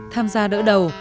tham gia đỡ đầu